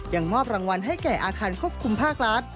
ยังมอบรางวัลให้แก่อาคารควบคุมภาครัฐ